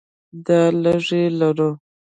دا لږې لرو.